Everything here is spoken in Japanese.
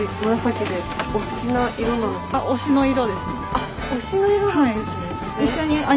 あっ推しの色なんですね。